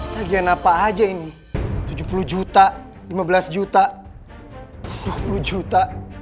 tagihan apa aja ini tujuh puluh juta lima belas juta dua puluh juta